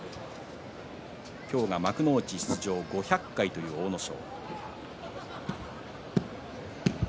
今日が幕内出場５００回という阿武咲。